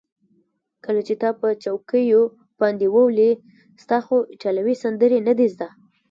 کله چې تا په چوکیو باندې وولي، ستا خو ایټالوي سندرې نه دي زده.